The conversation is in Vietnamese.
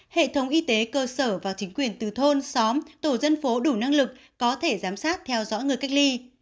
hệ thống y tế cơ sở và chính quyền từ thôn xóm tổ dân phố đủ năng lực có thể giám sát theo dõi người cách ly